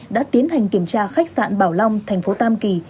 đã tiến hành kiểm tra khách sạn bảo long thành phố tam kỳ